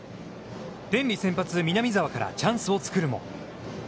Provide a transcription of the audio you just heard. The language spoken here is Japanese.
天理、先発南沢からチャンスを作るも。